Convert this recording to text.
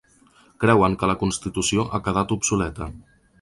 Creuen que la constitució ha quedat obsoleta.